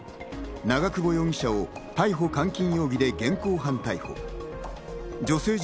長久保容疑者を逮捕監禁容疑で現行犯逮捕。